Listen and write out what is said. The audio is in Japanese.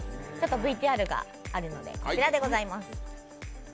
ＶＴＲがあるので、こちらでございます。